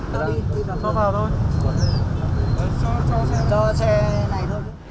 tin bão số tám vào hồi một mươi ba h ngày hôm nay